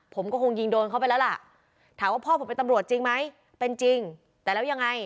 ผมก็คงยิงโดนเข้าไปแล้วล่ะถามว่าพ่อผมเป็นตำรวจจริงไหมเป็นจริงแต่แล้วยังไง